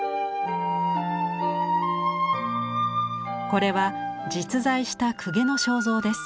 これは実在した公家の肖像です。